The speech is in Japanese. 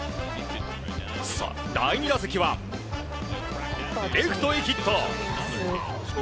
第２打席はレフトへヒット。